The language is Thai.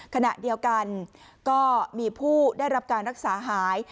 ขณะเดียวกันก็มีผู้ได้รับการรักษาหาย